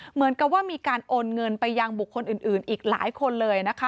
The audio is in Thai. เหมือนกับว่ามีการโอนเงินไปยังบุคคลอื่นอีกหลายคนเลยนะคะ